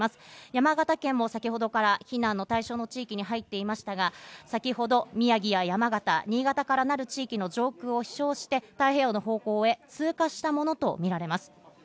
山形県も先ほどから避難の対象の地域に入っていましたが、先ほど宮城や山形、新潟からなる地域の上空を飛翔して太平洋の方向へ通過したものとみられます。